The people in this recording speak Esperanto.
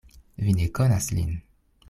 Vi ne konas lin.